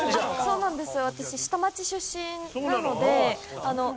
そうなんです。